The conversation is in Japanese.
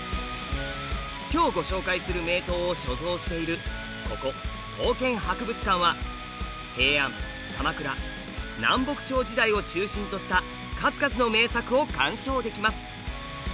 今日ご紹介する名刀を所蔵しているここ刀剣博物館は平安・鎌倉・南北朝時代を中心とした数々の名作を鑑賞できます。